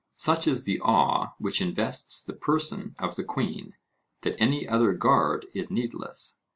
Such is the awe which invests the person of the queen, that any other guard is needless.